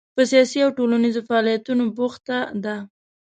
په سیاسي او ټولنیزو فعالیتونو بوخته ده.